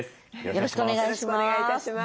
よろしくお願いします。